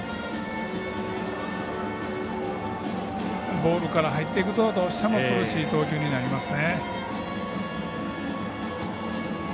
ボールから入っていくとどうしても苦しい投球になりますね。